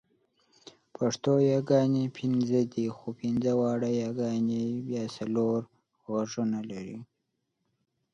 پښتو یاګانې پنځه دي، خو پنځه واړه یاګانې بیا څلور غږونه لري.